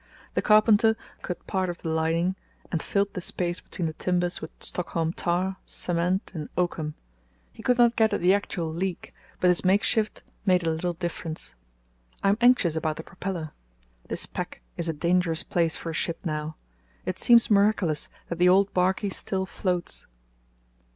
The carpenter cut part of the lining and filled the space between the timbers with Stockholm tar, cement, and oakum. He could not get at the actual leak, but his makeshift made a little difference. I am anxious about the propeller. This pack is a dangerous place for a ship now; it seems miraculous that the old Barky still floats."